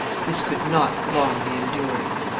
This could not long be endured.